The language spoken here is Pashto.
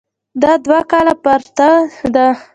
دا دوه کاله پرته ده.